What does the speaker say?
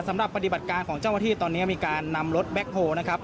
สำหรับปฏิบัติการของเจ้าหน้าที่ตอนนี้มีการนำรถแบ็คโฮลนะครับ